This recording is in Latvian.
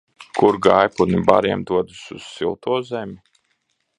Kur gājputni bariem dodas un silto zemi?